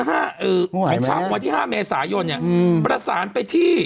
เมื่อเช้า๕เมษายนประสานไปที่